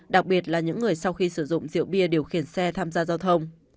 đặc biệt là những người sau khi sử dụng rượu bia điều khiển xe tham gia giao thông